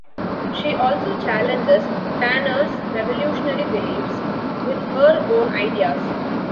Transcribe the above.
She also challenges Tanner's revolutionary beliefs with her own ideas.